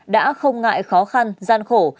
đã không ngại khó khăn gian khổ